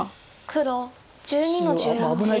黒１２の十八ハネ。